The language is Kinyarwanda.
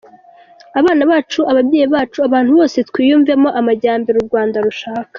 Abana bacu, ababyeyi bacu, abantu bose twiyumvemo amajyambere u Rwanda rushaka.